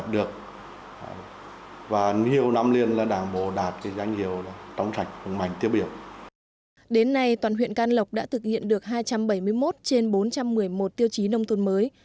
đến nay toàn huyện can lộc đã thực hiện được hai trăm bảy mươi một trên bốn trăm một mươi một tiêu chí nông thôn mới